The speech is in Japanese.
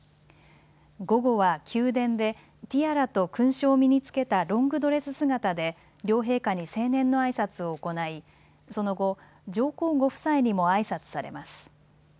午後は宮殿でティアラと勲章を身につけたロングドレス姿で両陛下に成年のあいさつを行いその後、上皇ご夫妻にもあいさつされます。